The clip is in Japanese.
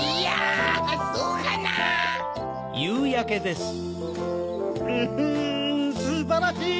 すばらしい！